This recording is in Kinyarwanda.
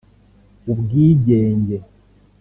ubwigenge